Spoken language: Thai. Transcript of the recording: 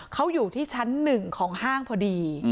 เขาอยู่ที่ชั้น๑ของห้างพอดี